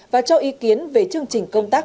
và cho ý kiến về chương trình công tác